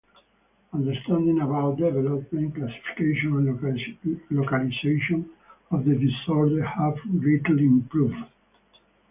Understanding about development, classification and localization of the disorder have greatly improved.